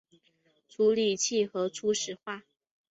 处理器核初始化